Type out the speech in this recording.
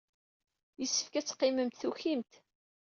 Yessefk ad teqqimemt tukimt.